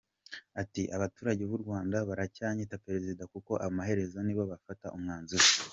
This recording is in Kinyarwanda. Ati “Abaturage b’u Rwanda baracyanyita Perezida kuko amaherezo nibo bafata umwanzuro.